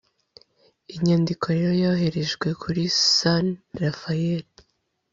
inyandiko rero yoherejwe kuri san raphael